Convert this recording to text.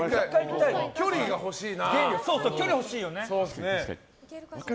距離が欲しいな。